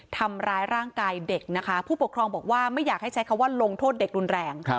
ทำร้ายร่างกายเด็กนะคะผู้ปกครองบอกว่าไม่อยากให้ใช้คำว่าลงโทษเด็กรุนแรง